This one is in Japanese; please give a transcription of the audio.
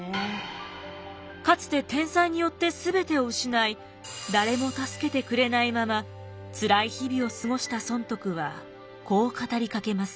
かつて天災によって全てを失い誰も助けてくれないまま辛い日々を過ごした尊徳はこう語りかけます。